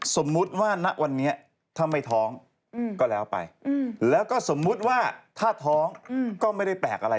สมมุติว่าณวันนี้ถ้าไม่ท้องก็แล้วไปแล้วก็สมมุติว่าถ้าท้องก็ไม่ได้แปลกอะไร